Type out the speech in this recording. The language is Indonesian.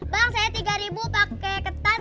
bang saya tiga ribu pake ketan